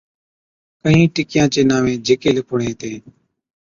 ڪهِين ٽڪِيان چين نانوين جھِڪي لِکوڙين هِتين،